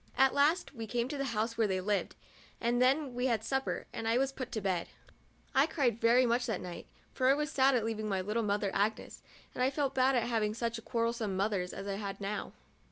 At last we came to the house where they lived, and then we had supper, and I was put to bed. I cried very much that night, for I was sad at leaving my little mother Agnes, and I felt bad at having such quar relsome mothers as I now had.